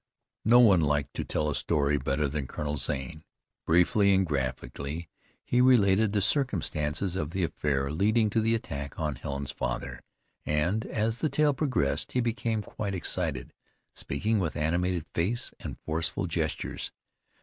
No one liked to tell a story better than Colonel Zane. Briefly and graphically he related the circumstances of the affair leading to the attack on Helen's father, and, as the tale progressed, he became quite excited, speaking with animated face and forceful gestures.